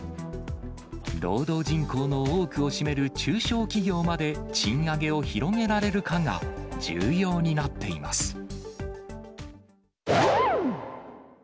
労働人口の多くを占める中小企業まで賃上げを広げられるかが重要になっています。